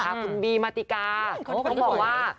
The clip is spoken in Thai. คุณบีมาติกาเขาบอกว่า